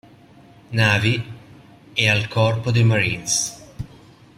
Navy e al Corpo dei Marines.